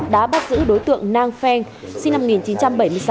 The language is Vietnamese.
đã bắt giữ đối tượng nang pheng sinh năm một nghìn chín trăm bảy mươi sáu